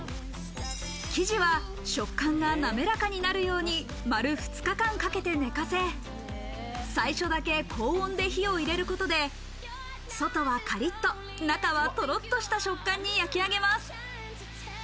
生地は食感がなめらかになるように丸２日間かけて寝かせ、最初だけ高温で火を入れることで外はカリっと、中はトロっとした食感に焼き上げます。